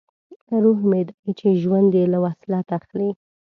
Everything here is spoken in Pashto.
روح مې دی چې ژوند یې له وصلت اخلي